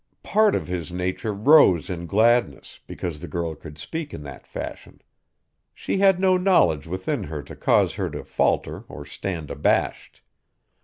Part of his nature rose in gladness because the girl could speak in that fashion. She had no knowledge within her to cause her to falter or stand abashed.